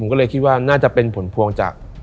ก็เลยคิดว่าน่าจะเป็นผลพวงจาก